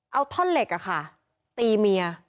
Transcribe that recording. เอาท่อเล็กอะค่ะตีเมีย